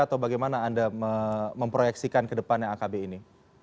atau bagaimana anda memproyeksikan ke depannya akb ini